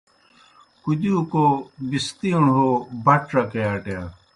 کُدِیوکو بِستِیݨوْ ہو بٹ ڇکے اٹِیا۔